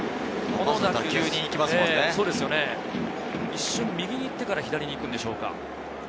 一瞬、右に行ってから左に行くんでしょうか。